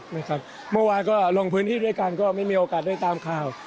เมื่อวานก็ลงพื้นที่ด้วยกันก็ไม่มีโอกาสได้ตามข่าว